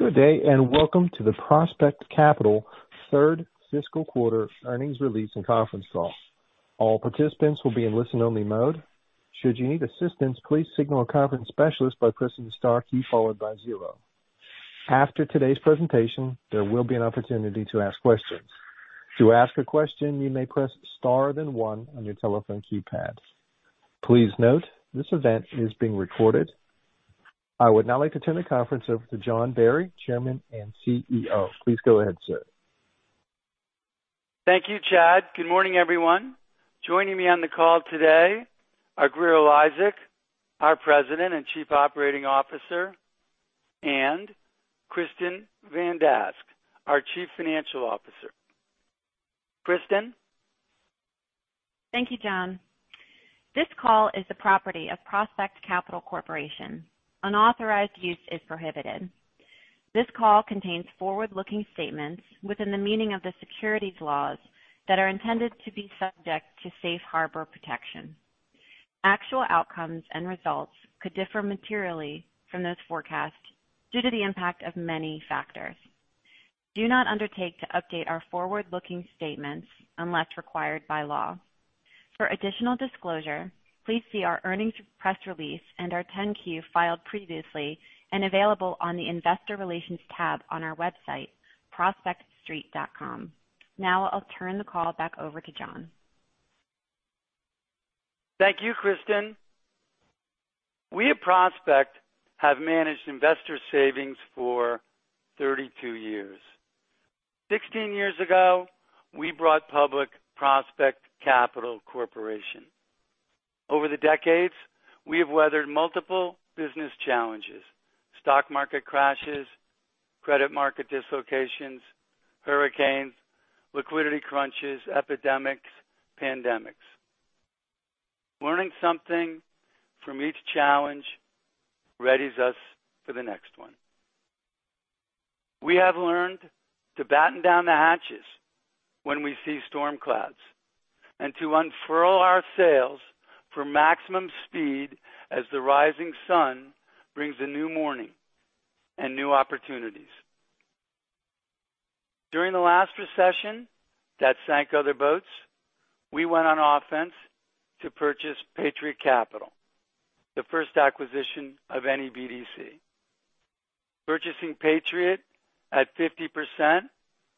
Good day, Welcome to the Prospect Capital third fiscal quarter earnings release and conference call. All participants will be in listen only mode. Should you need assistance, please signal a conference specialist by pressing the star key followed by zero. After today's presentation, there will be an opportunity to ask questions. To ask a question, you may press star then one on your telephone keypad. Please note, this event is being recorded. I would now like to turn the conference over to John Barry, Chairman and CEO. Please go ahead, sir. Thank you, Chad. Good morning, everyone. Joining me on the call today are Grier Eliasek, our President and Chief Operating Officer, and Kristin Van Dask, our Chief Financial Officer. Kristin? Thank you, John. This call is the property of Prospect Capital Corporation. Unauthorized use is prohibited. This call contains forward-looking statements within the meaning of the securities laws that are intended to be subject to safe harbor protection. Actual outcomes and results could differ materially from those forecasts due to the impact of many factors. We do not undertake to update our forward-looking statements unless required by law. For additional disclosure, please see our earnings press release and our 10-Q filed previously and available on the investor relations tab on our website, prospectstreet.com. Now I'll turn the call back over to John. Thank you, Kristin. We at Prospect have managed investor savings for 32 years. 16 years ago, we brought public Prospect Capital Corporation. Over the decades, we have weathered multiple business challenges, stock market crashes, credit market dislocations, hurricanes, liquidity crunches, epidemics, pandemics. Learning something from each challenge readies us for the next one. We have learned to batten down the hatches when we see storm clouds, and to unfurl our sails for maximum speed as the rising sun brings a new morning and new opportunities. During the last recession that sank other boats, we went on offense to purchase Patriot Capital, the first acquisition of any BDC. Purchasing Patriot at 50%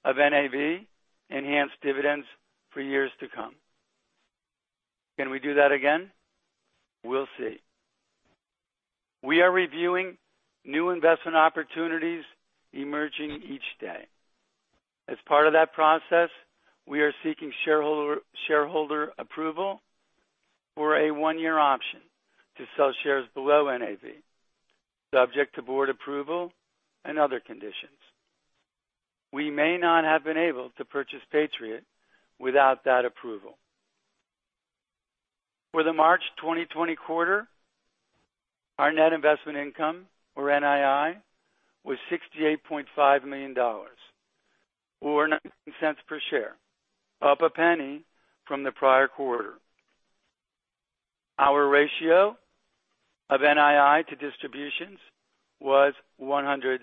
of NAV enhanced dividends for years to come. Can we do that again? We'll see. We are reviewing new investment opportunities emerging each day. As part of that process, we are seeking shareholder approval for a one-year option to sell shares below NAV, subject to board approval and other conditions. We may not have been able to purchase Patriot without that approval. For the March 2020 quarter, our net investment income, or NII, was $68.5 million, or $0.09 per share, up $0.01 from the prior quarter. Our ratio of NII to distributions was 103%.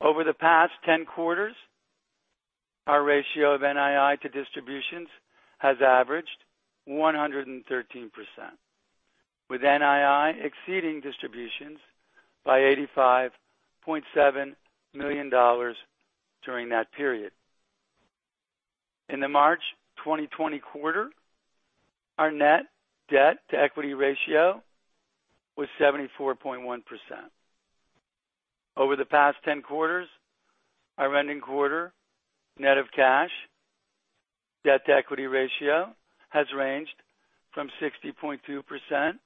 Over the past 10 quarters, our ratio of NII to distributions has averaged 113%, with NII exceeding distributions by $85.7 million during that period. In the March 2020 quarter, our net debt-to-equity ratio was 74.1%. Over the past 10 quarters, our ending quarter net of cash debt-to-equity ratio has ranged from 60.2%-75.1%,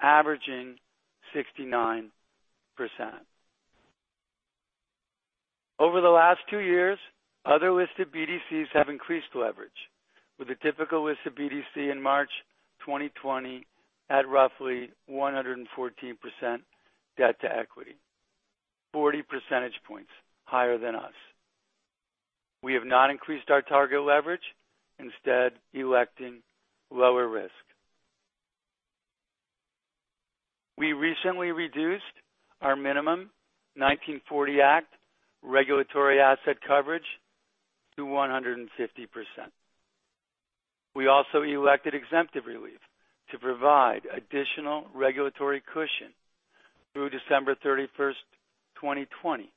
averaging 69%. Over the last two years, other listed BDCs have increased leverage, with the typical listed BDC in March 2020 at roughly 114% debt to equity, 40 percentage points higher than us. We have not increased our target leverage, instead electing lower risk. We recently reduced our minimum 1940 Act regulatory asset coverage to 150%. We also elected exemptive relief to provide additional regulatory cushion through December 31st, 2020.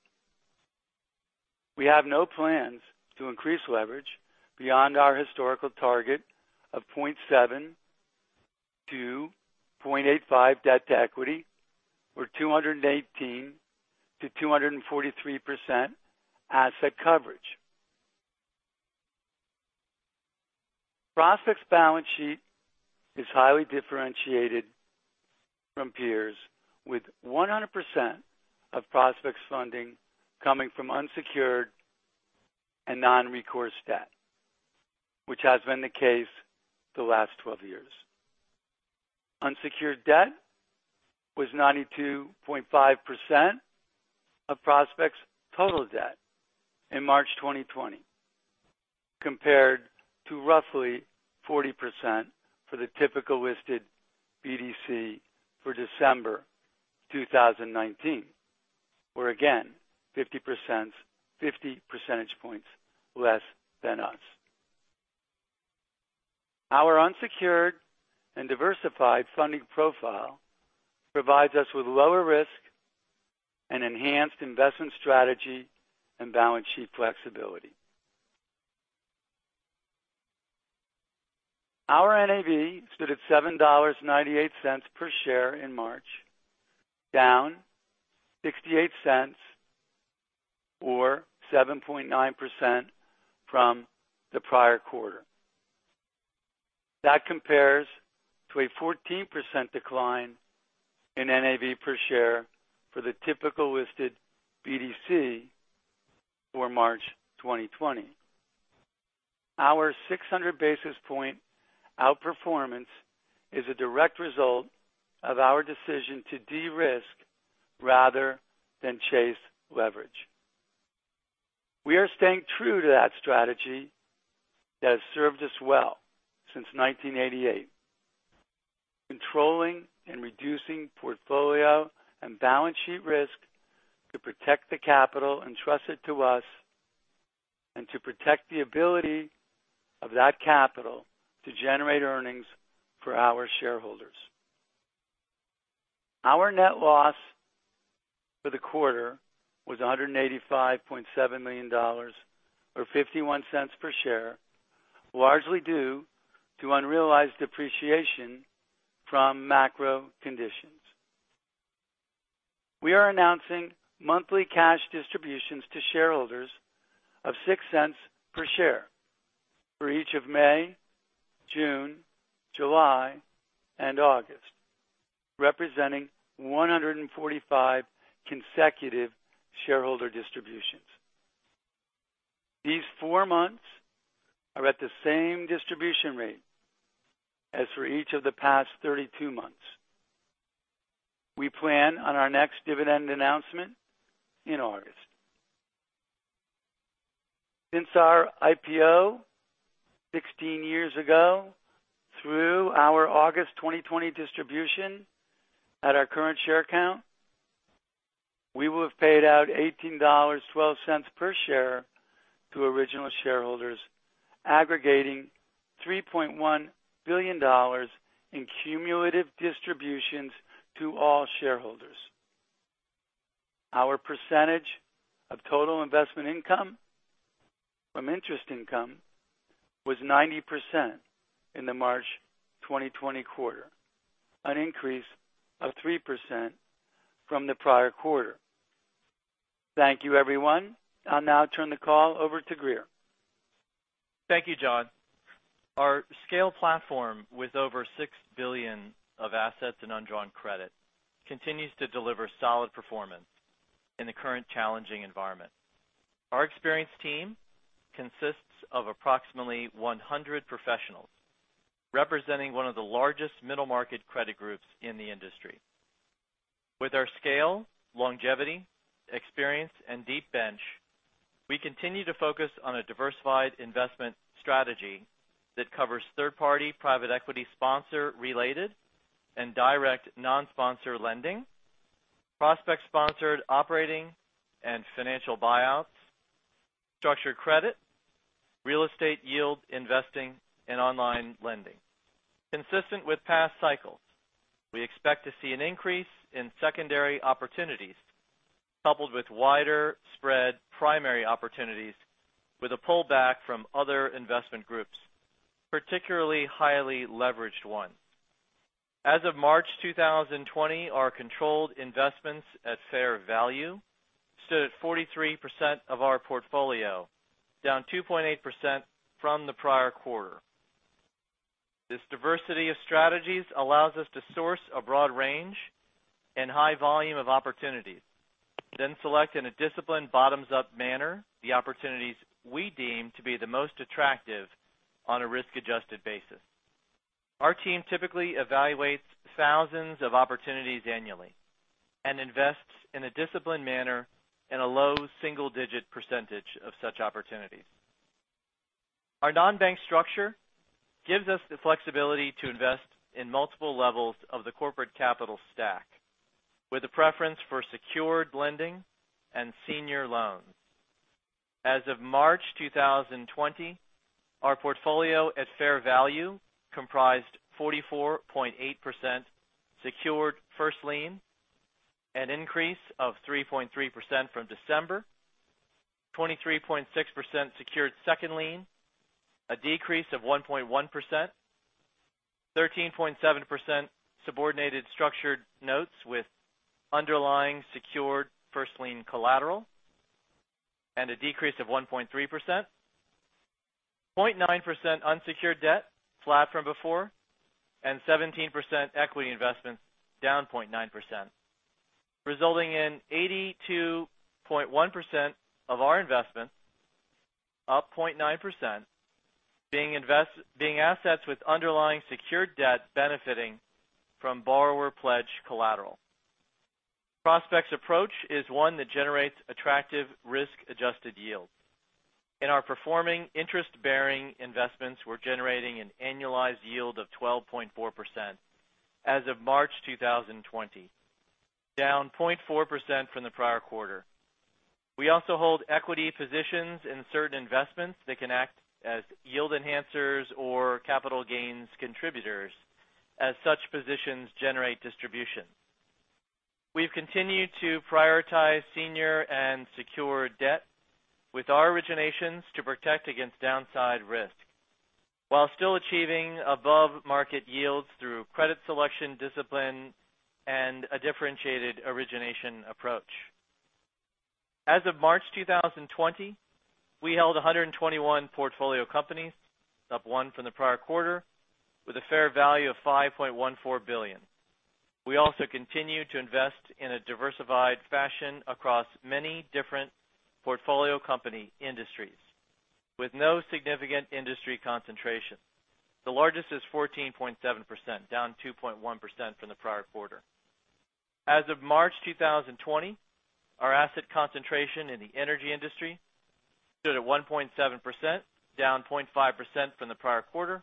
We have no plans to increase leverage beyond our historical target of 0.7-0.85 debt to equity or 218%-243% asset coverage. Prospect's balance sheet is highly differentiated from peers with 100% of Prospect's funding coming from unsecured and non-recourse debt, which has been the case the last 12 years. Unsecured debt was 92.5% of Prospect's total debt in March 2020, compared to roughly 40% for the typical listed BDC for December 2019. Where again, 50 percentage points less than us. Our unsecured and diversified funding profile provides us with lower risk and enhanced investment strategy and balance sheet flexibility. Our NAV stood at $7.98 per share in March, down $0.68 or 7.9% from the prior quarter. That compares to a 14% decline in NAV per share for the typical listed BDC for March 2020. Our 600 basis point outperformance is a direct result of our decision to de-risk rather than chase leverage. We are staying true to that strategy that has served us well since 1988. Controlling and reducing portfolio and balance sheet risk to protect the capital entrusted to us and to protect the ability of that capital to generate earnings for our shareholders. Our net loss for the quarter was $185.7 million, or $0.51 per share, largely due to unrealized depreciation from macro conditions. We are announcing monthly cash distributions to shareholders of $0.06 per share for each of May, June, July, and August, representing 145 consecutive shareholder distributions. These four months are at the same distribution rate as for each of the past 32 months. We plan on our next dividend announcement in August. Since our IPO 16 years ago, through our August 2020 distribution at our current share count, we will have paid out $18.12 per share to original shareholders, aggregating $3.1 billion in cumulative distributions to all shareholders. Our percentage of total investment income from interest income was 90% in the March 2020 quarter, an increase of 3% from the prior quarter. Thank you, everyone. I'll now turn the call over to Grier. Thank you, John. Our scale platform, with over $6 billion of assets in undrawn credit, continues to deliver solid performance in the current challenging environment. Our experienced team consists of approximately 100 professionals, representing one of the largest middle-market credit groups in the industry. With our scale, longevity, experience, and deep bench, we continue to focus on a diversified investment strategy that covers third-party private equity sponsor-related and direct non-sponsor lending, Prospect-sponsored operating and financial buyouts, structured credit, real estate yield investing, and online lending. Consistent with past cycles, we expect to see an increase in secondary opportunities coupled with wider spread primary opportunities with a pullback from other investment groups, particularly highly leveraged ones. As of March 2020, our controlled investments at fair value stood at 43% of our portfolio, down 2.8% from the prior quarter. This diversity of strategies allows us to source a broad range and high volume of opportunities, then select in a disciplined bottoms-up manner, the opportunities we deem to be the most attractive on a risk-adjusted basis. Our team typically evaluates thousands of opportunities annually and invests in a disciplined manner in a low single-digit percentage of such opportunities. Our non-bank structure gives us the flexibility to invest in multiple levels of the corporate capital stack, with a preference for secured lending and senior loans. As of March 2020, our portfolio at fair value comprised 44.8% secured first lien, an increase of 3.3% from December. 23.6% secured second lien, a decrease of 1.1%. 13.7% subordinated structured notes with underlying secured first lien collateral, and a decrease of 1.3%. 0.9% unsecured debt, flat from before, and 17% equity investment, down 0.9%, resulting in 82.1% of our investment, up 0.9%, being assets with underlying secured debt benefiting from borrower pledged collateral. Prospect's approach is one that generates attractive risk-adjusted yield. In our performing interest-bearing investments, we're generating an annualized yield of 12.4% as of March 2020, down 0.4% from the prior quarter. We also hold equity positions in certain investments that can act as yield enhancers or capital gains contributors as such positions generate distribution. We've continued to prioritize senior and secured debt with our originations to protect against downside risk, while still achieving above-market yields through credit selection discipline and a differentiated origination approach. As of March 2020, we held 121 portfolio companies, up one from the prior quarter, with a fair value of $5.14 billion. We also continue to invest in a diversified fashion across many different portfolio company industries with no significant industry concentration. The largest is 14.7%, down 2.1% from the prior quarter. As of March 2020, our asset concentration in the energy industry stood at 1.7%, down 0.5% from the prior quarter.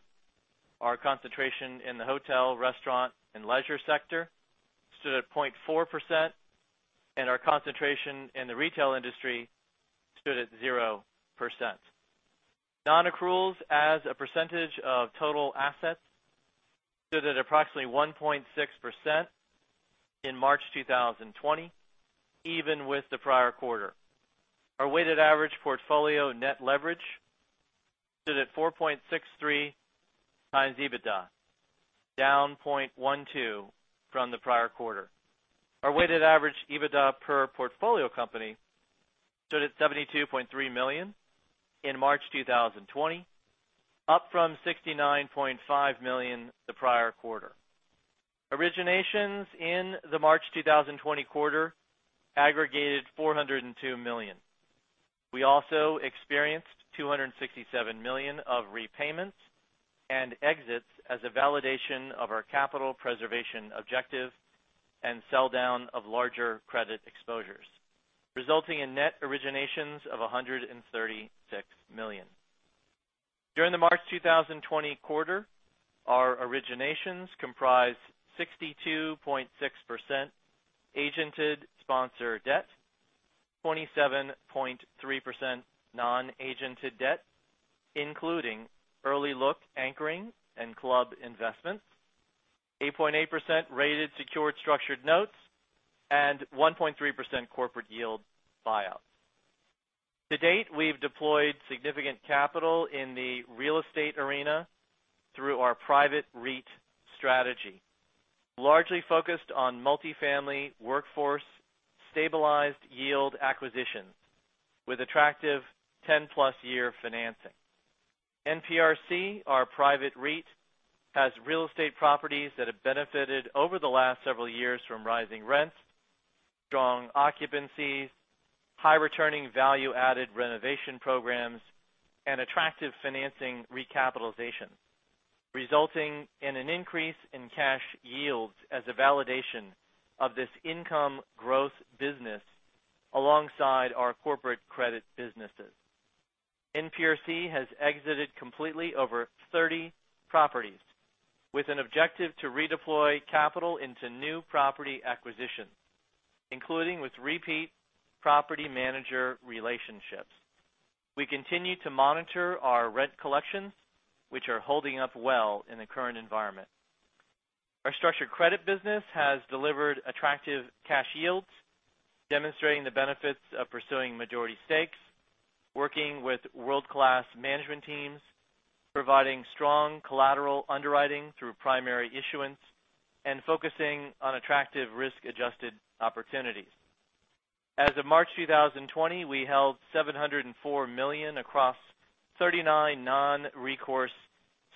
Our concentration in the hotel, restaurant, and leisure sector stood at 0.4%, and our concentration in the retail industry stood at 0%. Non-accruals as a percentage of total assets stood at approximately 1.6% in March 2020, even with the prior quarter. Our weighted average portfolio net leverage stood at 4.63x EBITDA, down 0.12 from the prior quarter. Our weighted average EBITDA per portfolio company stood at $72.3 million in March 2020, up from $69.5 million the prior quarter. Originations in the March 2020 quarter aggregated $402 million. We also experienced $267 million of repayments and exits as a validation of our capital preservation objective and sell down of larger credit exposures, resulting in net originations of $136 million. During the March 2020 quarter, our originations comprised 62.6% agented sponsor debt, 27.3% non-agented debt, including early look anchoring and club investments, 8.8% rated secured structured notes, and 1.3% corporate yield buyouts. To date, we've deployed significant capital in the real estate arena through our private REIT strategy, largely focused on multi-family workforce stabilized yield acquisitions with attractive 10+ year financing. NPRC, our private REIT, has real estate properties that have benefited over the last several years from rising rents, strong occupancies, high-returning value-added renovation programs, and attractive financing recapitalizations, resulting in an increase in cash yields as a validation of this income growth business alongside our corporate credit businesses. NPRC has exited completely over 30 properties with an objective to redeploy capital into new property acquisitions, including with repeat property manager relationships. We continue to monitor our rent collections, which are holding up well in the current environment. Our structured credit business has delivered attractive cash yields, demonstrating the benefits of pursuing majority stakes, working with world-class management teams, providing strong collateral underwriting through primary issuance, and focusing on attractive risk-adjusted opportunities. As of March 2020, we held $704 million across 39 non-recourse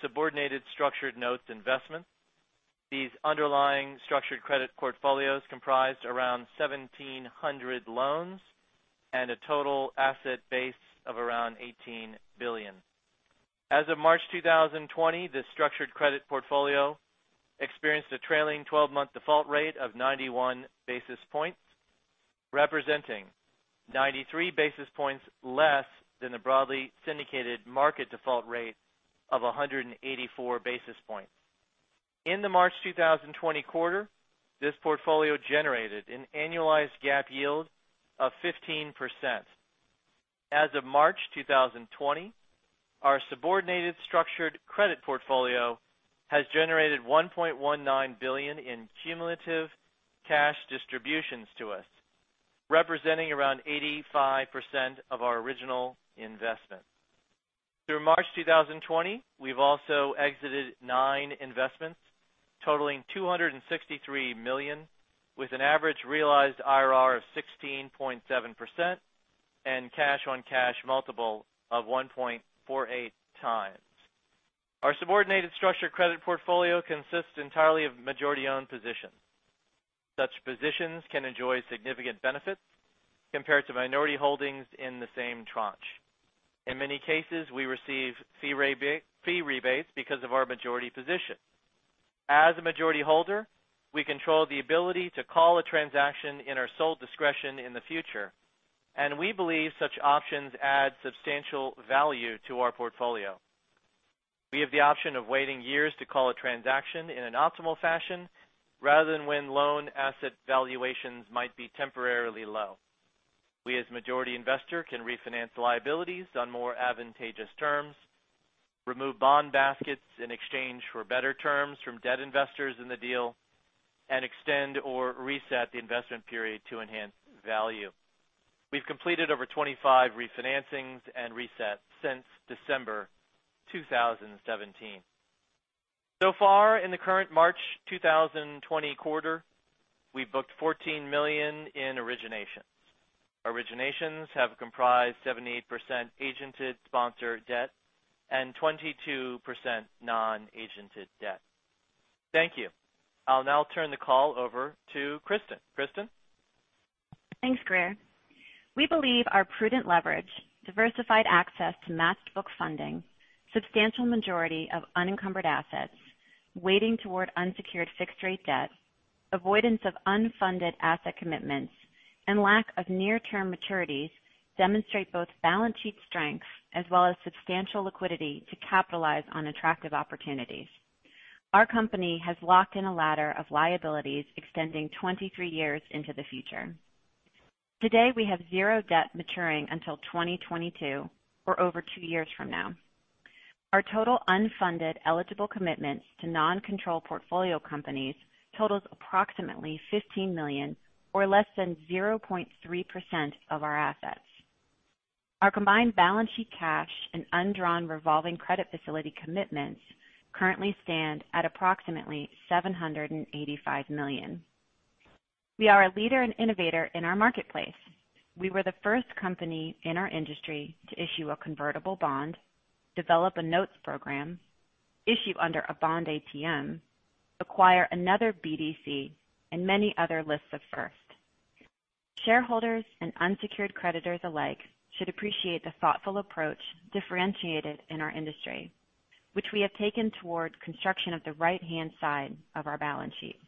subordinated structured notes investments. These underlying structured credit portfolios comprised around 1,700 loans and a total asset base of around $18 billion. As of March 2020, the structured credit portfolio experienced a trailing 12-month default rate of 91 basis points, representing 93 basis points less than the broadly syndicated market default rate of 184 basis points. In the March 2020 quarter, this portfolio generated an annualized GAAP yield of 15%. As of March 2020, our subordinated structured credit portfolio has generated $1.19 billion in cumulative cash distributions to us, representing around 85% of our original investment. Through March 2020, we've also exited nine investments totaling $263 million, with an average realized IRR of 16.7% and cash-on-cash multiple of 1.48x. Our subordinated structured credit portfolio consists entirely of majority-owned positions. Such positions can enjoy significant benefits compared to minority holdings in the same tranche. In many cases, we receive fee rebates because of our majority position. As a majority holder, we control the ability to call a transaction in our sole discretion in the future, and we believe such options add substantial value to our portfolio. We have the option of waiting years to call a transaction in an optimal fashion rather than when loan asset valuations might be temporarily low. We, as majority investor, can refinance liabilities on more advantageous terms, remove bond baskets in exchange for better terms from debt investors in the deal, and extend or reset the investment period to enhance value. We've completed over 25 refinancings and resets since December 2017. So far in the current March 2020 quarter, we've booked $14 million in originations. Originations have comprised 78% agented sponsor debt and 22% non-agented debt. Thank you. I'll now turn the call over to Kristin. Kristin? Thanks, Grier. We believe our prudent leverage, diversified access to matched book funding, substantial majority of unencumbered assets, weighting toward unsecured fixed-rate debt, avoidance of unfunded asset commitments, and lack of near-term maturities demonstrate both balance sheet strength as well as substantial liquidity to capitalize on attractive opportunities. Our company has locked in a ladder of liabilities extending 23 years into the future. Today, we have zero debt maturing until 2022 or over two years from now. Our total unfunded eligible commitments to non-control portfolio companies totals approximately $15 million or less than 0.3% of our assets. Our combined balance sheet cash and undrawn revolving credit facility commitments currently stand at approximately $785 million. We are a leader and innovator in our marketplace. We were the first company in our industry to issue a convertible bond, develop a notes program, issue under a bond ATM, acquire another BDC, and many other lists of firsts. Shareholders and unsecured creditors alike should appreciate the thoughtful approach differentiated in our industry, which we have taken toward construction of the right-hand side of our balance sheet.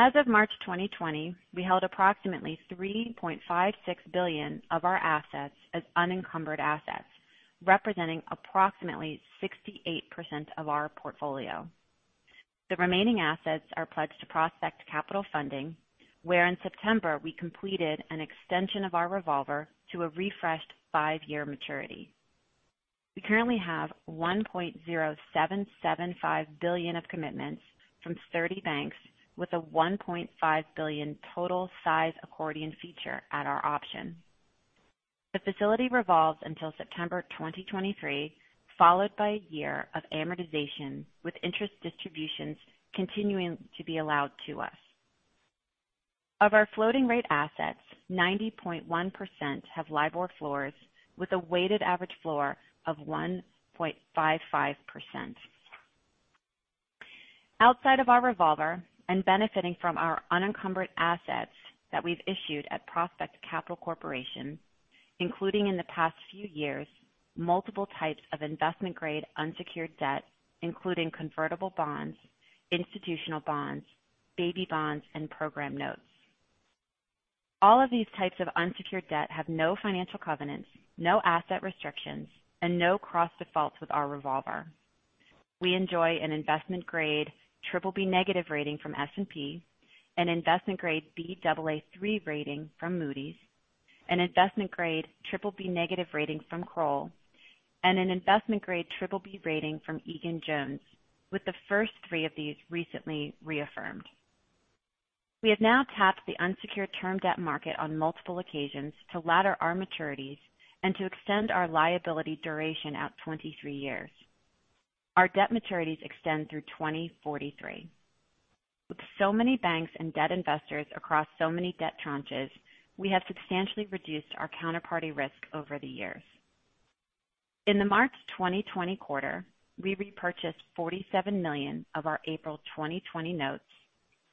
As of March 2020, we held approximately $3.56 billion of our assets as unencumbered assets, representing approximately 68% of our portfolio. The remaining assets are pledged to Prospect Capital Funding, where in September we completed an extension of our revolver to a refreshed five-year maturity. We currently have $1.0775 billion of commitments from 30 banks with a $1.5 billion total size accordion feature at our option. The facility revolves until September 2023, followed by a year of amortization with interest distributions continuing to be allowed to us. Of our floating rate assets, 90.1% have LIBOR floors with a weighted average floor of 1.55%. Outside of our revolver and benefiting from our unencumbered assets that we've issued at Prospect Capital Corporation, including in the past few years, multiple types of investment-grade unsecured debt, including convertible bonds, institutional bonds, baby bonds, and program notes. All of these types of unsecured debt have no financial covenants, no asset restrictions, and no cross defaults with our revolver. We enjoy an investment-grade BBB negative rating from S&P, an investment-grade Baa3 rating from Moody's, an investment-grade BBB negative rating from Kroll, and an investment-grade BBB rating from Egan-Jones, with the first three of these recently reaffirmed. We have now tapped the unsecured term debt market on multiple occasions to ladder our maturities and to extend our liability duration out 23 years. Our debt maturities extend through 2043. With so many banks and debt investors across so many debt tranches, we have substantially reduced our counterparty risk over the years. In the March 2020 quarter, we repurchased $47 million of our April 2020 notes,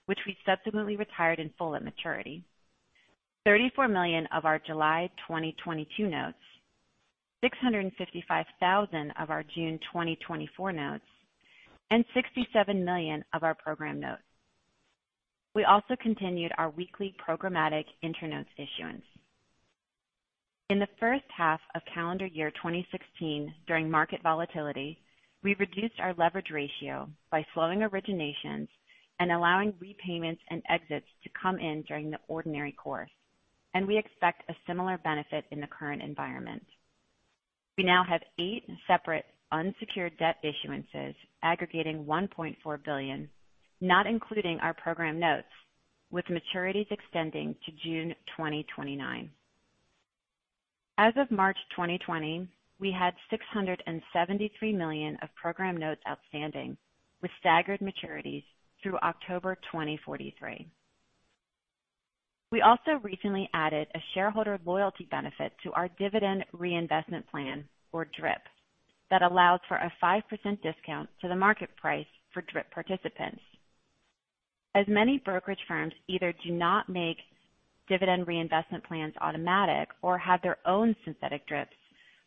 which we subsequently retired in full at maturity, $34 million of our July 2022 notes, $655,000 of our June 2024 notes, and $67 million of our program notes. We also continued our weekly programmatic InterNotes issuance. In the first half of calendar year 2016 during market volatility, we reduced our leverage ratio by slowing originations and allowing repayments and exits to come in during the ordinary course. We expect a similar benefit in the current environment. We now have eight separate unsecured debt issuances aggregating $1.4 billion, not including our program notes, with maturities extending to June 2029. As of March 2020, we had $673 million of program notes outstanding, with staggered maturities through October 2043. We also recently added a shareholder loyalty benefit to our dividend reinvestment plan, or DRIP, that allows for a 5% discount to the market price for DRIP participants. As many brokerage firms either do not make dividend reinvestment plans automatic or have their own synthetic DRIPs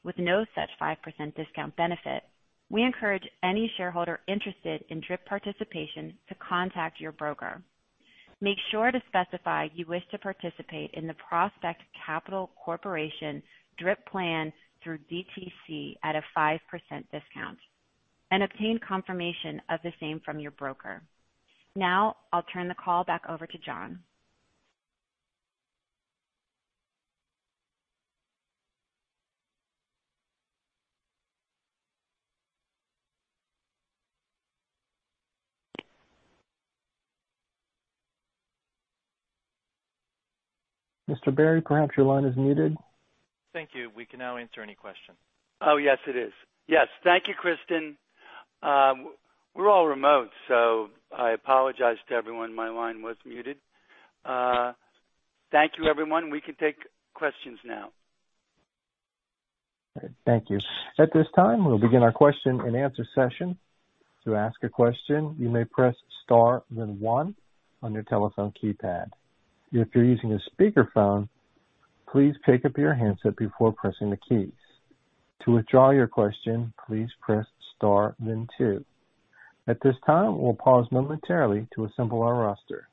with no such 5% discount benefit, we encourage any shareholder interested in DRIP participation to contact your broker. Make sure to specify you wish to participate in the Prospect Capital Corporation DRIP plan through DTC at a 5% discount and obtain confirmation of the same from your broker. I'll turn the call back over to John. John Barry, perhaps your line is muted. Thank you. We can now answer any question. Oh, yes, it is. Yes. Thank you, Kristin. We're all remote, so I apologize to everyone. My line was muted. Thank you, everyone. We can take questions now. Thank you. At this time, we will begin our question and answer session. To ask a question, you may press star then one on your telephone keypad. If you are using a speakerphone, please pick up your handset before pressing the keys. To withdraw your question, please press star then two. At this time, we will pause momentarily to assemble our roster.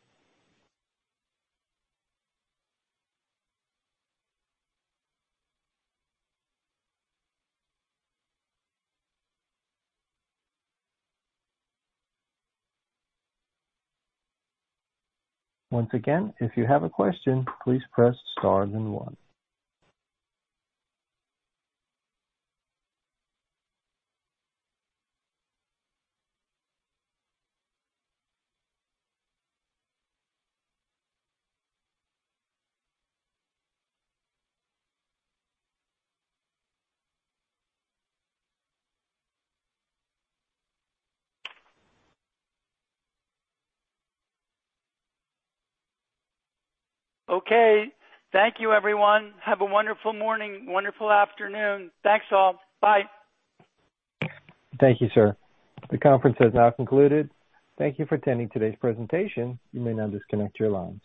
Once again, if you have a question, please press star then one. Okay. Thank you, everyone. Have a wonderful morning, wonderful afternoon. Thanks all. Bye. Thank you, sir. The conference has now concluded. Thank you for attending today's presentation. You may now disconnect your lines.